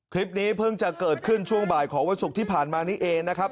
คลิปนี้เพิ่งจะเกิดขึ้นช่วงบ่ายของวันศุกร์ที่ผ่านมานี้เองนะครับ